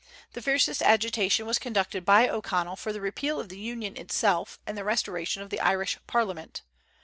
The fiercest agitation was conducted by O'Connell for the repeal of the Union itself and the restoration of the Irish parliament.